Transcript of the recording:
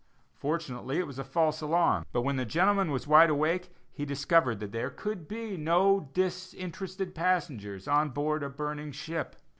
Fortunately, it was a false alarm; but when the gentleman was wide awake, he discovered that there could be no disinterested passengers on board a burning ship.